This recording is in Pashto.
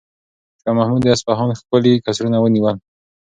شاه محمود د اصفهان ښکلي قصرونه ونیول.